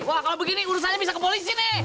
wah kalau begini urusannya bisa ke polisi nih